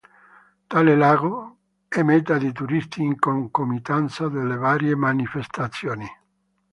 Tale lago è meta di turisti in concomitanza delle varie manifestazioni.